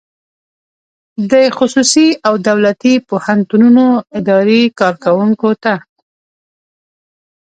د خصوصي او دولتي پوهنتونونو اداري کارکوونکو ته